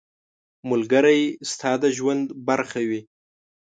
ملګری ستا د ژوند برخه وي.